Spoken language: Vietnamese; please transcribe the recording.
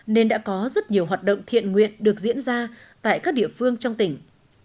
nên đã có rất nhiều hoạt động thiện nguyện được diễn ra tại các địa phương trong tỉnh